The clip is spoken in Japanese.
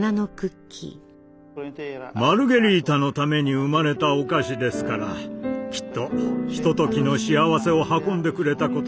マルゲリータのために生まれたお菓子ですからきっとひとときの幸せを運んでくれたことでしょう。